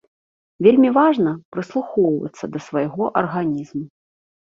Вельмі важна прыслухоўвацца да свайго арганізму.